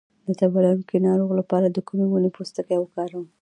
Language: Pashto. د تبه لرونکي ناروغ لپاره د کومې ونې پوستکی وکاروم؟